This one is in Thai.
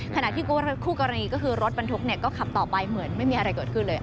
ขณะที่คู่กรณีก็คือรถบรรทุกก็ขับต่อไปเหมือนไม่มีอะไรเกิดขึ้นเลย